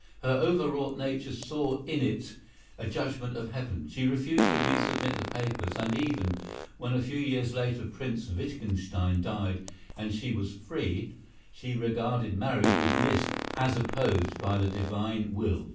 Her over wrought nature saw in it a Judgment of Heaven. She refused to resubmit the papers; and even, when a few years later, Prince Wittgenstein died and she was free, she regarded marriage with Liszt as opposed by the Divine will.